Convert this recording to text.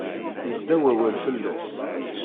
Yedda wawal fell-as.